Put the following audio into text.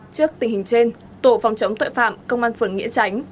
trước tình hình trên tổ phòng chống tội phạm công an phường nghĩa tránh